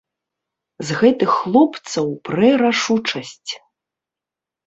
З гэтых хлопцаў прэ рашучасць.